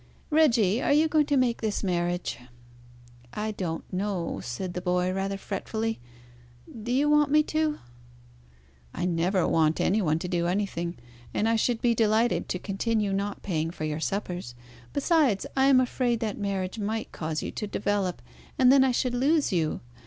Reggie, are you going to make this marriage?" "I don't know," said the boy, rather fretfully. "Do you want me to?" "I never want any one to do anything. And I should be delighted to continue not paying for your suppers. Besides, I am afraid that marriage might cause you to develop, and then I should lose you.